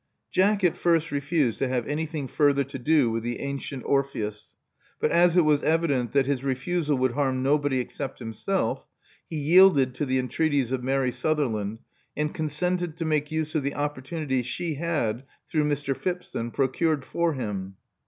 Jack at first refused to have anything further to do with the Atient Orpheus; but as it was evident that his refusal would harm nobody except himself, he yielded to the entreaties of Mary Sutherland, and consented to make use of the opportunity she had, through Mr. Phipson, procured for him.